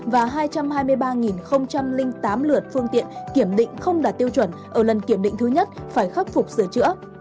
và hai trăm hai mươi ba tám lượt phương tiện kiểm định không đạt tiêu chuẩn ở lần kiểm định thứ nhất phải khắc phục sửa chữa